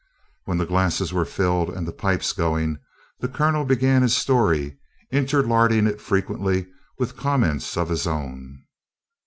When the glasses were filled and the pipes going, the Colonel began his story, interlarding it frequently with comments of his own.